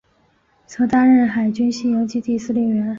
曾任海军西营基地司令员。